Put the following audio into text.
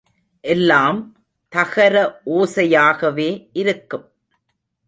எல்லாம் தகர ஓசையாகவே இருக்கும்.